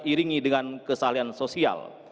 iringi dengan kesahalian sosial